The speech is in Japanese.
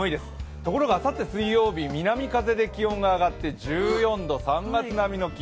ところがあさって水曜日南風で気温が上がって１４度３月並みの気温。